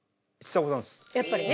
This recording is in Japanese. やっぱりね。